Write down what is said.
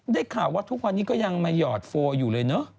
ได้ข่าวว่าทุกวันนี้ก็ยังมาหยอดโฟลอยู่เลยเนอะ